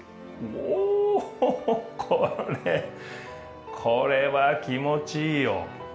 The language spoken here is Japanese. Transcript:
おっこれこれは気持ちいいよ。